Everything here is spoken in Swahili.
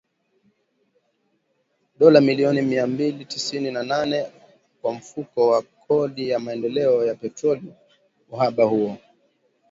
Dola milioni mia mbili tisini na nane kwa Mfuko wa Kodi ya Maendeleo ya Petroli uhaba huo